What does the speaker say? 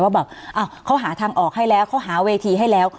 ว่าแบบเขาหาทางออกให้แล้วเขาหาเวทีให้แล้ว